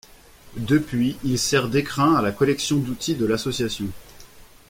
Depuis, il sert d'écrin à la collection d'outils de l'association.